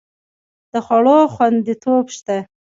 د خوړو خوندیتوب شته؟